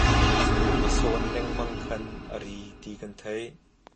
A sawn lengmang khan a ri ti kan theih.